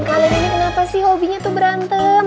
kalian ini kenapa sih hobinya tuh berantem